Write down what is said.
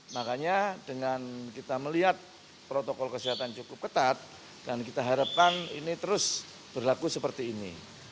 makanya dengan kita melihat protokol kesehatan cukup ketat dan kita harapkan ini terus berlaku seperti ini